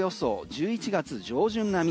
１１月上旬並み。